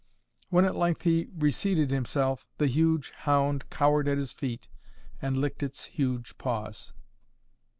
When at length he reseated himself, the huge hound cowered at his feet and licked its huge paws.